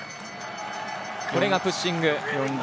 これがプッシング。